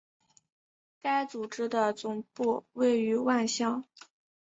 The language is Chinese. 该组织的总部位于万象。